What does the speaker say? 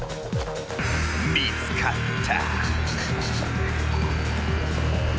［見つかった］